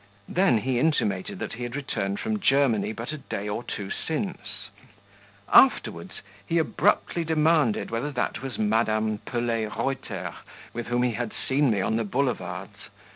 Then he intimated that he had returned from Germany but a day or two since; afterwards, he abruptly demanded whether that was Madame Pelet Reuter with whom he had seen me on the Boulevards.